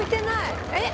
えっ。